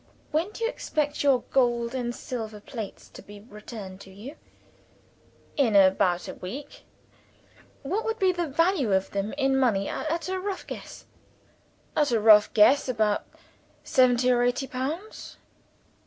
"When do you expect your gold and silver plates to be returned to you?" "In about a week." "What would be the value of them, in money at a rough guess?" "At a rough guess about seventy or eighty pounds."